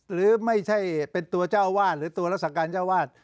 หรือไม่ใช่เป็นตัวเจ้าวาดหรือตัวรักษาการเจ้าวาด